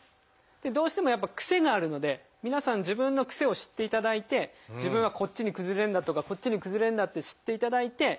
どうしてもやっぱ癖があるので皆さん自分の癖を知っていただいて自分はこっちに崩れるんだとかこっちに崩れるんだと知っていただいて。